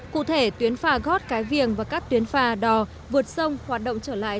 cụ thể tuyến phà gót cái viềng và các tuyến phà đò vượt sông hoạt động trở lại